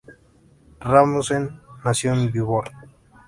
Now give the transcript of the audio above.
Rasmussen nació en Viborg.